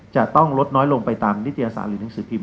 จะต้องลดน้อยลงไปตามนิตยสารหรือหนังสือพิม